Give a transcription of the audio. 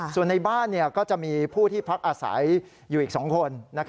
ส่วนในบ้านก็จะมีผู้ที่พักอาศัยอยู่อีก๒คน